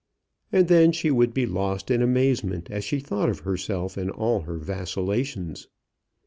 And then she would be lost in amazement as she thought of herself and all her vacillations.